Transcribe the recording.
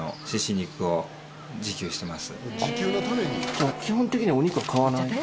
じゃあ基本的にはお肉は買わない？